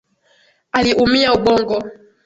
Aliumia ubongo